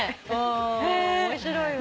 面白いわ。